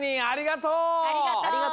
ありがとう！